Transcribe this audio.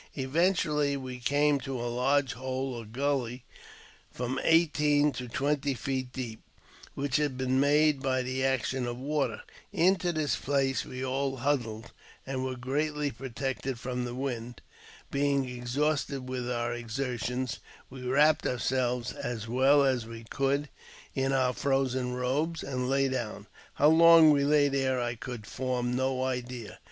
Eventually we came to a large hole or gully, from eighteen to twenty feet deep, which had been made by the action of water. Into this place we all huddled, and were i JAMES P. BECKWOUBTH. 239 greatly protected from the wind. Being exhausted with our exertions, we wrapped ourselves as well as we could in our frozen robes, and lay down. How long we lay there I could form no idea.